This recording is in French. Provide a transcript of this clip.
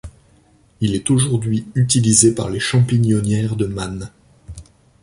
Il est aujourd'hui utilisé par les champignonnières de Mane.